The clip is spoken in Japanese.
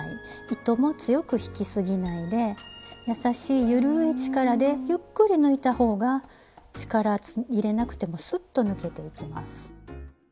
糸も強く引きすぎないで優しい緩い力でゆっくり抜いた方が力入れなくてもスッと抜けていきます。